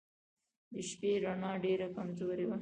د شپې رڼا ډېره کمزورې وه.